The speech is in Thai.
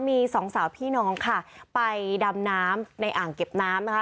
มีสองสาวพี่น้องค่ะไปดำน้ำในอ่างเก็บน้ำนะคะ